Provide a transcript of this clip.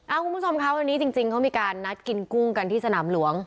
คุณผู้ชมคะวันนี้จริงเขามีการนัดกินกุ้งกันที่สนามหลวง